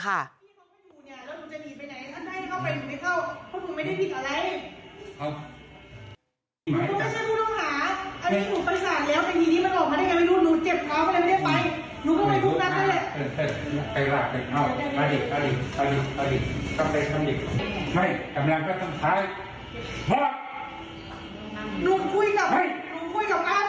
เจ้าหน้าที่สารคุมตัวฝากหังเอาไว้ที่สารจังหวัดชายภูมิก่อน